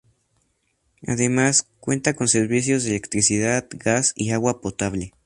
Además, cuenta con servicios de electricidad, gas y agua potable.